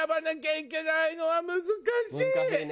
難しいね。